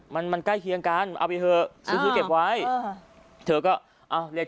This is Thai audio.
ไม่ถูก